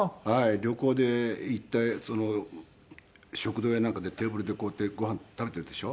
旅行で行って食堂やなんかでテーブルでこうやってご飯食べているでしょ。